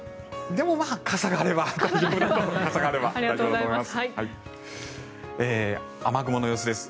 でも傘があれば大丈夫だと思います。